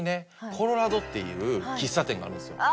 コロラドっていう喫茶店があるんですよ。